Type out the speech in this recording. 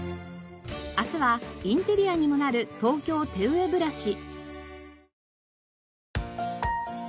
明日はインテリアにもなる東京手植ブラシ。